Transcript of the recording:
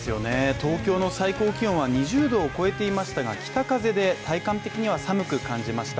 東京の最高気温は２０℃を超えていましたが北風で体感的には寒く感じました